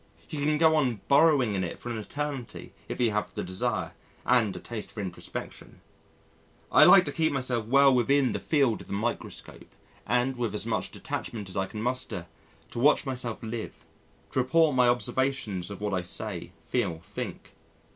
He can go on burrowing in it for an eternity if he have the desire and a taste for introspection. I like to keep myself well within the field of the microscope, and, with as much detachment as I can muster, to watch myself live, to report my observations of what I say, feel, think.